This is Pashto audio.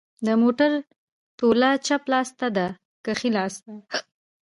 د موټر توله چپ لاس ته ده که ښي لاس ته